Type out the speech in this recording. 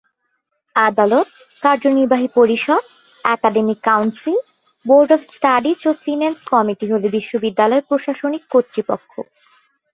আদালত, কার্যনির্বাহী পরিষদ, academic council, board of studies ও ফিনান্স কমিটি হল বিশ্ববিদ্যালয়ের প্রশাসনিক কর্তৃপক্ষ।